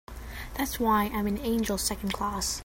That's why I'm an angel Second Class.